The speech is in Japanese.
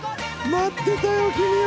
待ってたよ君を。